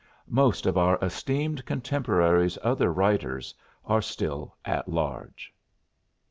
Most of our esteemed contemporary's other writers are still at large."